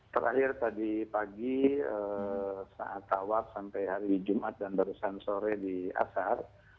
terakhir tadi pagi saat tawaf sampai hari jumat dan barusan sore di asar